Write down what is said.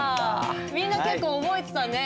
みんな結構覚えてたね。